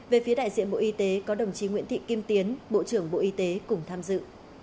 về phía đại diện bộ y tế có đồng chí nguyễn thị kim tiến bộ trưởng bộ y tế cùng tham dự